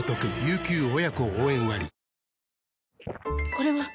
これはっ！